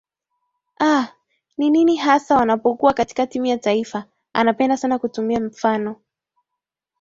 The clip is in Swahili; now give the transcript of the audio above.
aa ni nini hasa wanapokuwa katika timu ya taifa anapenda sana kutumia mfano